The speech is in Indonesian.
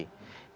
ini yang menjadi